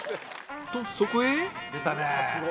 とそこへ